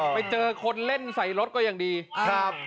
ไปเจอคนเล่นใส่รถก็ยังดีครับ